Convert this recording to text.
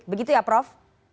begitu ya prof